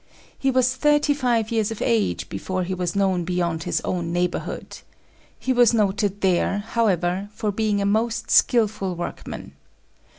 He was thirty five years of age before he was known beyond his own neighborhood. He was noted there, however, for being a most skillful workman.